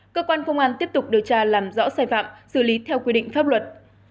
cơ quan công an tiếp tục điều tra làm rõ sai phạm xử lý theo quy định pháp luật